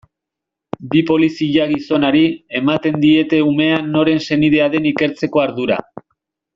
Bi polizia-gizonari ematen diete umea noren senidea den ikertzeko ardura.